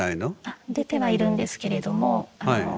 あっ出てはいるんですけれどもあの。